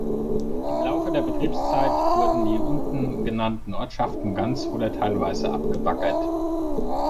Im Laufe der Betriebszeit wurden die unten genannten Ortschaften ganz oder teilweise abgebaggert.